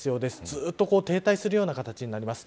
ずっと停滞するような形になります。